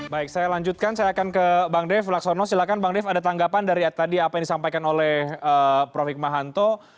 baik saya lanjutkan saya akan ke bang dev laksono silahkan bang dev ada tanggapan dari tadi apa yang disampaikan oleh prof hikmahanto